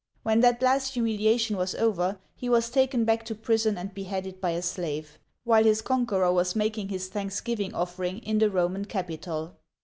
When that last humilia tion was over, he was taken back to prison and beheaded by a slave, while his conqueror was making his thanks giving offering in the Roman Capitol.